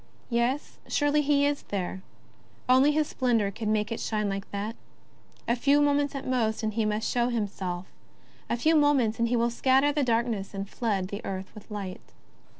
Yes, surely he is there; only his splendour could make it shine like that. A few moments at most and he must show himself; a few moments and he will scatter the darkness and flood the earth with light.